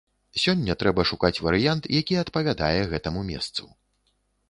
Сёння трэба шукаць варыянт, які адпавядае гэтаму месцу.